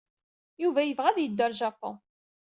Yuba yebɣa ad yeddu ɣer Japun.